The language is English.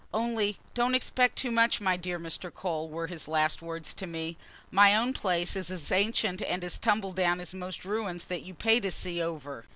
"Only don't expect too much, my dear Mr. Cole," were his last words to me. "My own place is as ancient and as tumble down as most ruins that you pay to see over.